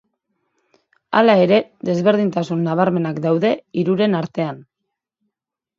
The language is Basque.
Hala ere, desberdintasun nabarmenak daude hiruren artean.